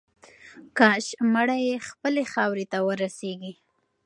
کاش مړی یې خپلې خاورې ته ورسیږي.